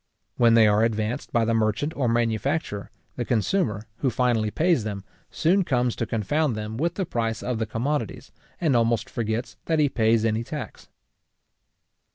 When they are advanced by the merchant or manufacturer, the consumer, who finally pays them, soon comes to confound them with the price of the commodities, and almost forgets that he pays any tax.